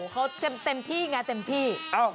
เขาเต็มที่ไงเต็มที่